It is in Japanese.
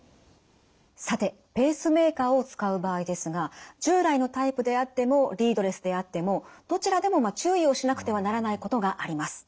さてペースメーカーを使う場合ですが従来のタイプであってもリードレスであってもどちらでも注意をしなくてはならないことがあります。